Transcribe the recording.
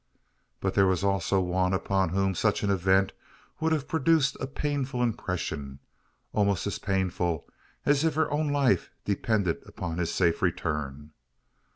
But there was also one upon whom such an event would have produced a painful impression almost as painful as if her own life depended upon his safe return.